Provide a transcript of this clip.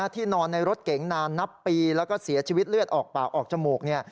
ที่นอนในรถเก๋งนานนับปีแล้วก็เสียชีวิตเลือดออกปากออกจมูก